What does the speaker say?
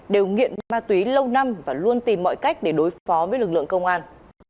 đều nghiện ma túy lâu năm và luôn tìm mọi cách để đối phó với lực lượng công an